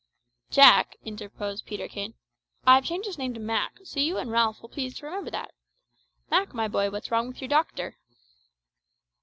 "Jack," interposed Peterkin, "I have changed his name to Mak, so you and Ralph will please to remember that. Mak, my boy, what's wrong with your doctor?"